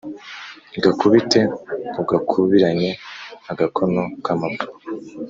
Gakubite ugakubiranye-Agakono k'amapfa.